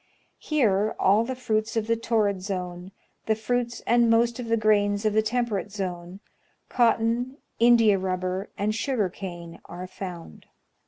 Here all the fruits of the torrid zone, the fruits and most of the grains of the temperate zone, cotton, India rubber, and sugar cane, are found.